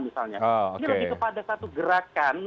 misalnya ini lagi kepada satu gerakan